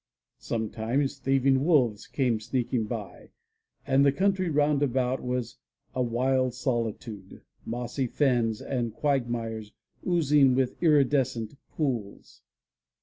Sometimes thieving wolves came sneaking by, and the country round about was a wild solitude, mossy fens and quagmires oozing with iridescent pools.